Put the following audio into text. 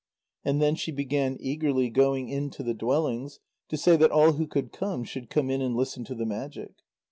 And then she began eagerly going in to the dwellings, to say that all who could come should come in and listen to the magic.